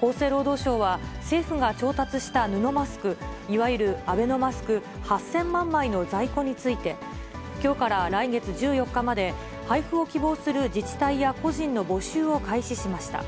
厚生労働省は、政府が調達した布マスク、いわゆるアベノマスク８０００万枚の在庫について、きょうから来月１４日まで、配布を希望する自治体や個人の募集を開始しました。